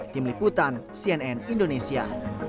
tim liputan cnn indonesia